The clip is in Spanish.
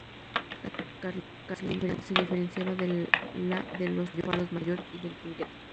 Esta carlinga se diferenciaba de la de los palos mayor y de trinquete.